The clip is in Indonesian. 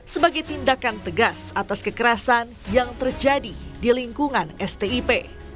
sebagai tindakan tegas atas kekerasan yang terjadi di lingkungan stip